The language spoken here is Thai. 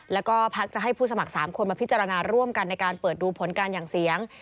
แล้วก็พักจะให้ผู้สมัคร๓คนมาพิจารณาร่วมกันในการเปิดดูผลการอย่างเสียง